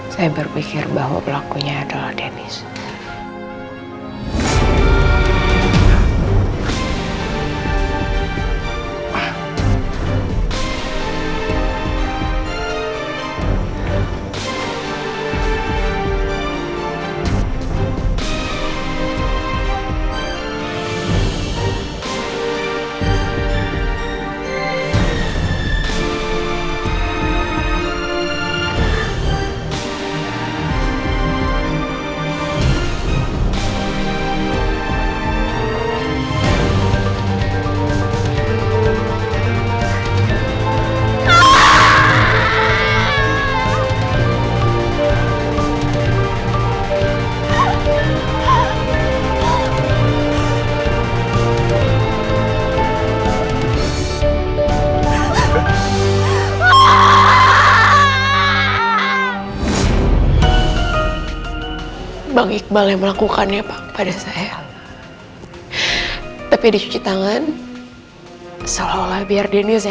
saya berpikir bahwa pelakunya adalah denis